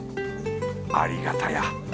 ありがたや。